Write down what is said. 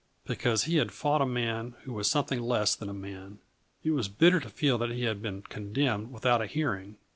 Because he had fought a man who was something less than a man. It was bitter to feel that he had been condemned without a hearing.